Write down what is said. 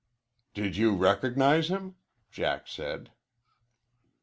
"Did you recognize him?" Jack said.